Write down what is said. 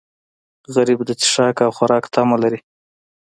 غریب د څښاک او خوراک تمه لري